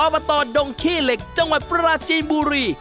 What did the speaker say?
บตดงขี้เหล็กจังหวัดปราจีนบุรี